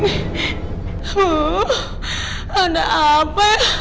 huh ada apa